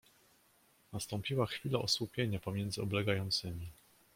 "Nastąpiła chwila osłupienia pomiędzy oblegającymi."